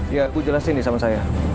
iya ibu jelasin deh sama saya